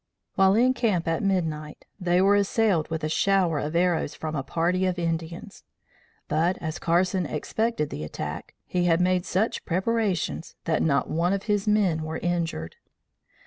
While in camp at midnight, they were assailed with a shower of arrows from a party of Indians; but, as Carson expected the attack, he had made such preparations that not one of his men were injured.